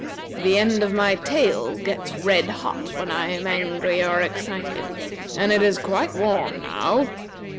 The end of my tail gets red hot when I am angry or excited, and it is quite warm now.